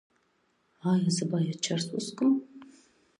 ایا زه باید چرس وڅکوم؟